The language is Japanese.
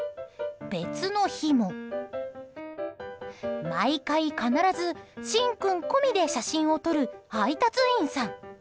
別の日も毎回必ず、しん君込みで写真を撮る配達員さん。